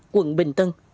quận bình tân